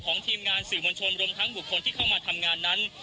ทีมงานสื่อมวลชนรวมทั้งบุคคลที่เข้ามาทำงานนั้น